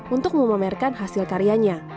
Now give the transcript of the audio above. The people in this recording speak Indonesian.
untuk memamerkan hasil karyanya